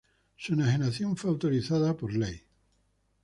Su enajenación fue autorizada por ley No.